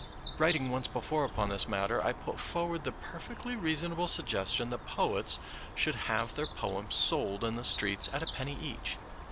Writing once before upon this matter, I put forward the perfectly reasonable sugges tion that poets should have their poems sold in the streets at a penny each.